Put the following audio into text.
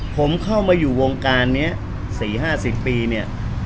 ผมเข้ามาอยู่วงการเนี้ยสี่ห้าสิบปีเนี้ย